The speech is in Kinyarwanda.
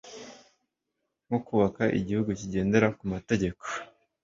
nko kubaka igihugu kigendera ku mategeko